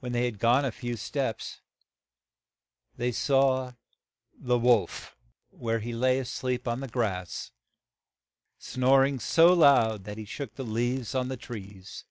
When they had gone a few steps they saw the wolf, where he lay a sleep on the grass, snor ing so loud that he shook the leaves on the trees.